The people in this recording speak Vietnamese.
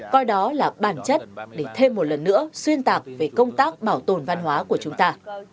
coi đó là bản chất để thêm một lần nữa xuyên tạc về công tác bảo tồn văn hóa của chúng ta